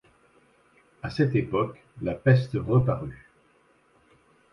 À cette époque, la peste reparut.